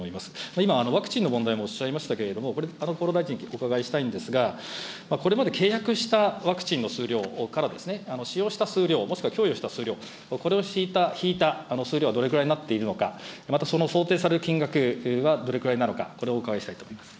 今、ワクチンの問題もおっしゃいましたけれども、これ、厚労大臣にお伺いしたいんですが、これまで契約したワクチンの数量からですね、使用した数量、もしくは供与した数量、これを引いた数量はどれくらいになっているのか、またその想定される金額はどれくらいなのか、これをお伺いしたいと思います。